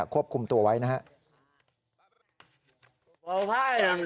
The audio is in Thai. ควบคุมตัวไว้นะครับ